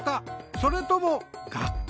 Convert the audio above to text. それとも学校？」。